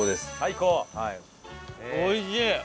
おいしい！